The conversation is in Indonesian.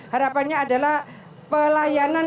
harapannya adalah pelayanan